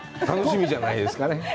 楽しみじゃないですかね。